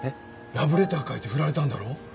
ラブレター書いて振られたんだろ？